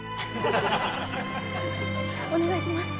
お願いします！